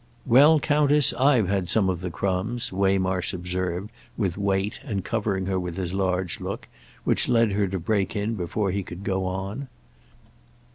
"Well, Countess, I've had some of the crumbs," Waymarsh observed with weight and covering her with his large look; which led her to break in before he could go on.